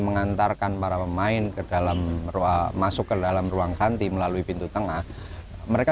mengantarkan para pemain ke dalam ruang masuk ke dalam ruang ganti melalui pintu tengah mereka